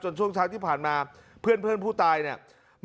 ช่วงเช้าที่ผ่านมาเพื่อนผู้ตายเนี่ย